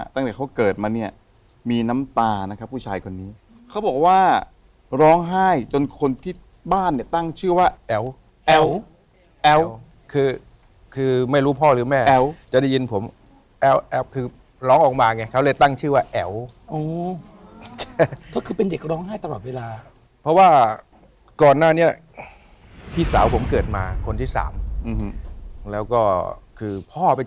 ตั้งแต่เขาเกิดมาเนี่ยมีน้ำตานะครับผู้ชายคนนี้เขาบอกว่าร้องไห้จนคนที่บ้านเนี่ยตั้งชื่อว่าแอ๋วแอ๋วแอ๋วแอ๋วแอ๋วแอ๋วแอ๋วแอ๋วแอ๋วแอ๋วแอ๋วแอ๋วแอ๋วแอ๋วแอ๋วแอ๋วแอ๋วแอ๋วแอ๋วแอ๋วแอ๋วแอ๋วแอ๋วแอ๋วแอ๋วแอ๋